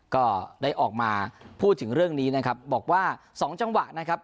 ก็ได้ออกมาพูดถึงเรื่องนี้นะครับบอกว่าสองจังหวะนะครับ